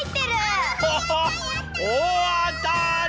おおあたり！